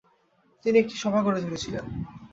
তিনি একটি সভা গড়ে তুলেছিলেন।